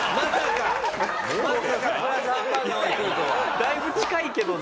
だいぶ近いけどな。